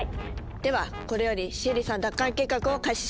ではこれよりシエリさん奪還計画を開始します。